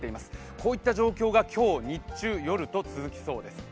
こういった状況が今日、日中、夜と続きそうです。